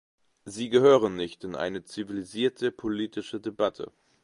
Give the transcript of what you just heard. Sie gehören nicht in eine zivilisierte politische Debatte.